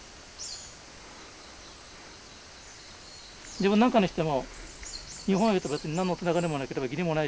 自分なんかにしても日本兵と別に何のつながりもなければ義理もないし。